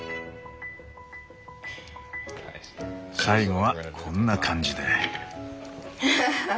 最後はこんな感じで。